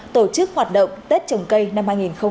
tổ chức hoạt động tết trồng cây năm hai nghìn hai mươi